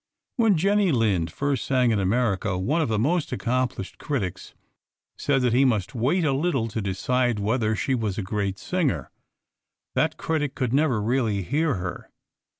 When Jenny Lind first sang in America one of the most accomplished critics said that he must wait a little to decide whether she was a great singer. That critic could never really hear her.